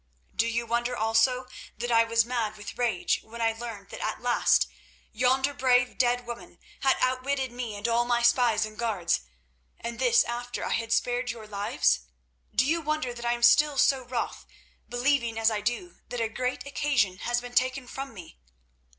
"Do you wonder also that I was mad with rage when I learned that at last yonder brave dead woman had outwitted me and all my spies and guards, and this after I had spared your lives? Do you wonder that I am still so wroth, believing as I do that a great occasion has been taken from me?"